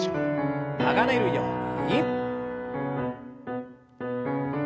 流れるように。